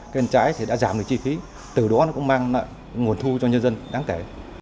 cây trái thì đã giảm được chi phí từ đó nó cũng mang lại nguồn thu cho nhân dân đáng kể